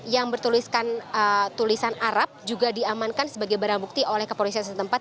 yang bertuliskan tulisan arab juga diamankan sebagai barang bukti oleh kepolisian setempat